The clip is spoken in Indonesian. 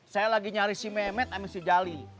saya lagi nyari si memet sama si jali